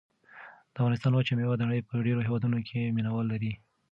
د افغانستان وچه مېوه د نړۍ په ډېرو هېوادونو کې مینه وال لري.